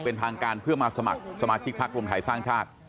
เป็นทางการเพื่อมาสมัครสมาชิกพักรวมไทยสร้างชาติ